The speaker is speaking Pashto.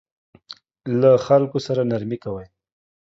له خلکو سره نرمي کوئ